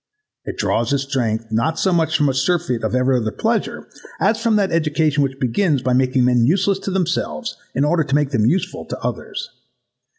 It draws its strength, not so much from a surfeit of every other pleasure, as from that education which begins by making men useless to themselves in order to make them useful to others.